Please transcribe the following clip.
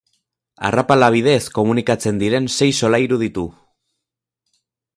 Arrapala bidez komunikatzen diren sei solairu ditu.